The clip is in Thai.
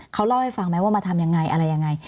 เขาเล่าให้ฟังไหมว่ามาทำยังไงอะไรยังไง